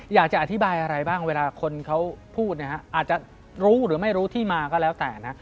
อยากจะอธิบายอะไรบ้างเวลาคนเขาพูดเนี่ยอาจจะรู้หรือไม่รู้ที่มาก็แล้วแต่นะ